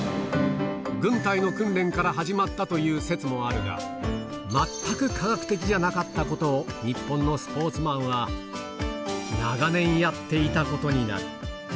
軍隊の訓練から始まったという説もあるが、全く科学的じゃなかったことを、日本のスポーツマンは長年やっていたことになる。